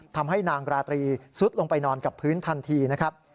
ทำให้นางราตรีซุดลงไปนอนกับพื้นทันทีนะครับ